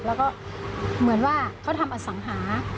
แล้วก็เหมือนว่าเขาทำอสังหา